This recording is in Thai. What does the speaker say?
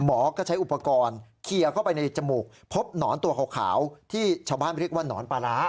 หมอก็ใช้อุปกรณ์เคลียร์เข้าไปในจมูกพบหนอนตัวขาวที่ชาวบ้านเรียกว่าหนอนปลาร้า